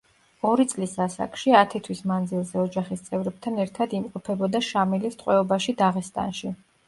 ორი წლის ასაკში, ათი თვის მანძილზე ოჯახის წევრებთან ერთად იმყოფებოდა შამილის ტყვეობაში დაღესტანში.